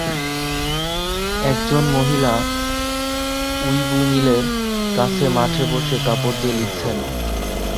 একজন মহিলা উইণ্ডমিলের কাছে মাঠে বসে কাপড় দিয়ে লিখছেন।